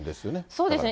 そうですね。